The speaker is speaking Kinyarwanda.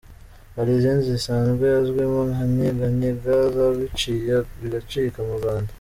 Hari izindi zisanzwe azwimo nka “Nyeganyega” zabiciye bigacika mu Rwanda.